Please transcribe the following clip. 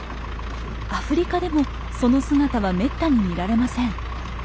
アフリカでもその姿はめったに見られません。